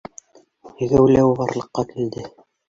Геүләү барлыҡҡа килде